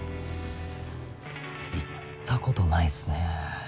行ったことないっすね。